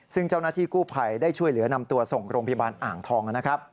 ซึ่งเจ้าหน้าที่กู้ไผ่ได้ช่วยเหลือนำตัวส่งโรงพิบันอ่างทอง